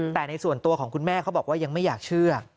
แต่ในส่วนตัวของคุณแม่เขาบอกว่ายังไม่อยากเชื่อ